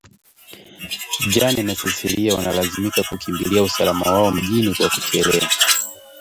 Jane na Cecilia wanalazimika kukimbilia usalama wao mjini kwa kuchelea